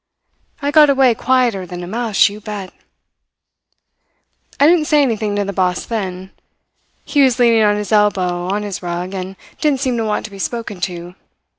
I got away quieter than a mouse, you bet." "I didn't say anything to the boss then. He was leaning on his elbow on his rug, and didn't seem to want to be spoken to.